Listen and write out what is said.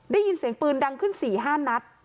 ได้ยินเสียงปืนดังขึ้น๔๕นัด